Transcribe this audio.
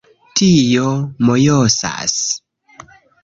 Tio mojosas...